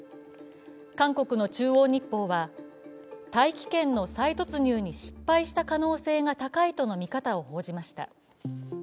韓国の「中央日報」は、大気圏の再突入に失敗した可能性が高いとの見方を報じました。